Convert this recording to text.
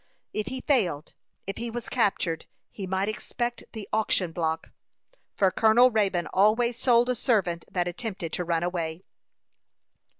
If he failed, if he was captured, he might expect the auction block, for Colonel Raybone always sold a servant that attempted to run away.